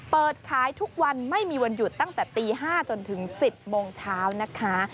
เปิดขายทุกวันไม่มีวันหยุดตั้งแต่ตี๕จนถึง๑๐โมงเช้านะคะ